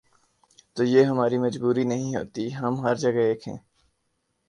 تو یہ ہماری مجبوری نہیں ہوتی، ہم ہر جگہ ایک ہیں۔